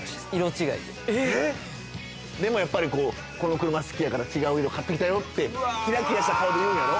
でもやっぱりこの車好きやから違う色買ってきたよってキラキラした顔で言うんやろ？